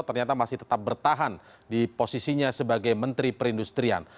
ternyata masih tetap bertahan di posisinya sebagai menteri perindustrian